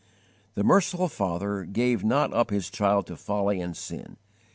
The merciful Father gave not up his child to folly and sin.